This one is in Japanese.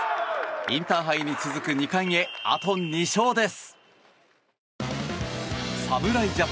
インターハイに続く２冠へあと２勝です。